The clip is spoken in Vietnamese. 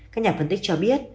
các nhà phân tích cho biết